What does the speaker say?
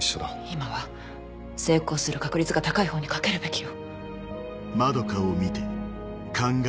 今は成功する確率が高い方に賭けるべきよ。